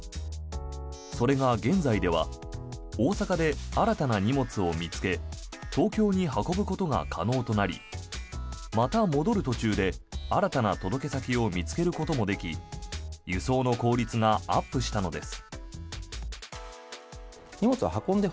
それが現在では大阪で新たな荷物を見つけ東京に運ぶことが可能となりまた戻る途中で新たな届け先を見つけることもでき輸送の効率がアップしたのです。